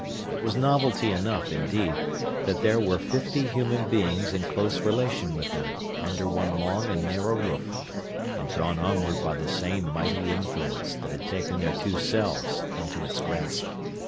It was novelty enough, indeed, that there were fifty human beings in close relation with them, under one long and narrow roof, and drawn onward by the same mighty influence that had taken their two selves into its grasp.